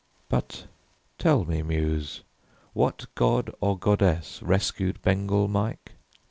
But tell me, Muse, What god or goddess rescued Bengal Mike?